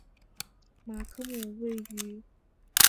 马克姆位于。